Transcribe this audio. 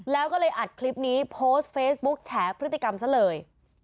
แล้วก็เลยอัดคลิปนี้โพสต์เฟซบุ๊กแฉพฤติกรรมซะเลย